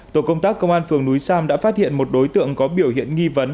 tổ công tác công an phường núi sam đã phát hiện một đối tượng có biểu hiện nghi vấn